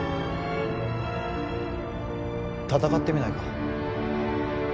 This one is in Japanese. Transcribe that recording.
戦ってみないか？